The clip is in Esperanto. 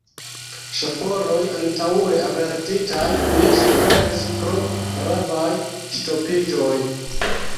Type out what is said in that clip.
Ŝoforoj, antaŭe avertitaj, ne suferis pro gravaj ŝtopiĝoj.